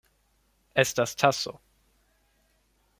Estas taso.